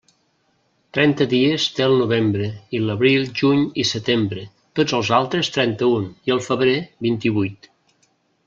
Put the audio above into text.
Trenta dies té el novembre, i l'abril, juny i setembre; tots els altres, trenta-un i el febrer vint-i-vuit.